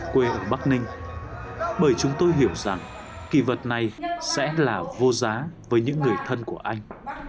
quê ở bắc ninh bởi chúng tôi hiểu rằng kỳ vật này sẽ là vô giá với những người thân của anh